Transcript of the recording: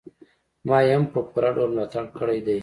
ما يې هم په پوره ډول ملاتړ کړی دی.